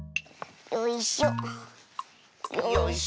よいしょ。